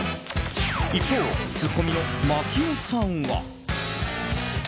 一方、ツッコミの槙尾さんは。